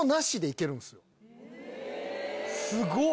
すごっ！